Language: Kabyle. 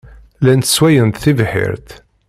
Llant sswayent tibḥirt.